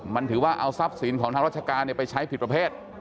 มันถือว่าเอาทรัพย์สินของทางราชการไปใช้ผิดประเภท